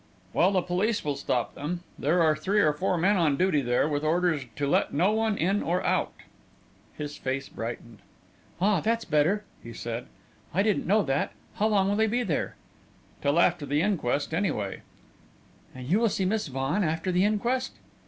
"Well, the police will stop them. There are three or four men on duty there, with orders to let no one in or out." His face brightened. "Ah, that's better," he said. "I didn't know that. How long will they be there?" "Till after the inquest, anyway." "And you will see Miss Vaughan after the inquest?"